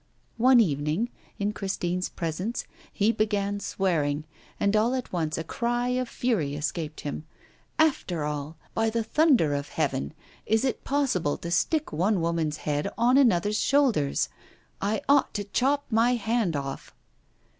One evening, in Christine's presence, he began swearing, and all at once a cry of fury escaped him: 'After all, by the thunder of heaven, is it possible to stick one woman's head on another's shoulders? I ought to chop my hand off.